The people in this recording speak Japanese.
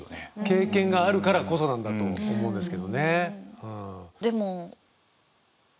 経験があるからこそなんだと思うんですけどね。